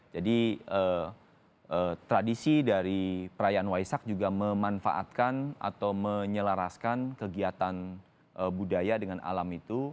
jadi tradisi dari perayaan waisak juga memanfaatkan atau menyelaraskan kegiatan budaya dengan alam itu